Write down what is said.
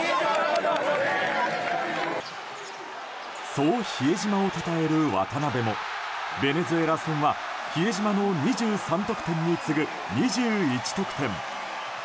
そう比江島をたたえる渡邊もベネズエラ戦は比江島の２３得点に次ぐ２１得点。